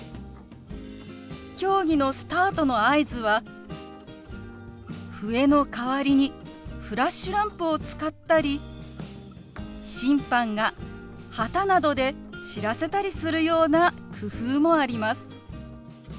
競技のスタートの合図は笛の代わりにフラッシュランプを使ったり審判が旗などで知らせたりするような工夫もあります。